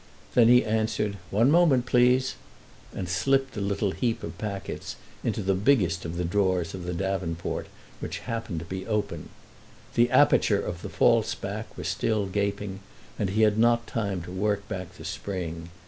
Then he answered "One moment, please!" and slipped the little heap of packets into the biggest of the drawers of the davenport, which happened to be open. The aperture of the false back was still gaping, and he had not time to work back the spring.